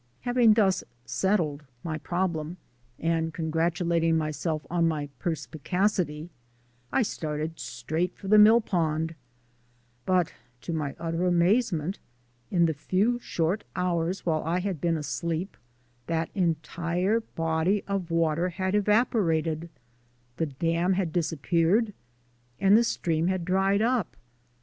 Having thus settled my problem, and congratulating myself on my perspicacity, I started straight for the mill pond, but to my utter amazement, in the few short hours while I had been asleep, that entire body of water had evaporated, the dam had disappeared, and the stream had dried up.